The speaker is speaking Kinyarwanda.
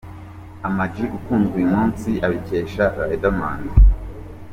Ama G ukunzwe uyu munsi abikesha Riderman.